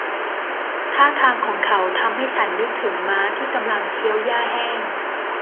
ท่าทางของเขาทำให้ฉันนึกถึงม้าที่กำลังเคี้ยวหญ้าแห้ง